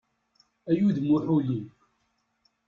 Ay udem n uḥuli!